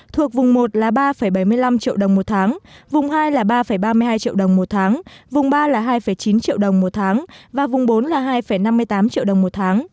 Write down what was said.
thuộc vùng một là ba bảy mươi năm triệu đồng một tháng vùng hai là ba ba mươi hai triệu đồng một tháng vùng ba là hai chín triệu đồng một tháng và vùng bốn là hai năm mươi tám triệu đồng một tháng